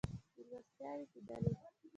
مېلمستیاوې کېدلې.